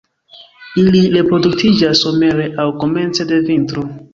Ili reproduktiĝas somere aŭ komence de vintro.